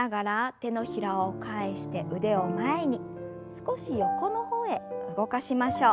少し横の方へ動かしましょう。